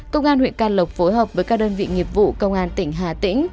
công an huyện can lộc phối hợp với các đơn vị nghiệp vụ công an tỉnh hà tĩnh